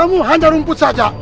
katamu hanya rumput saja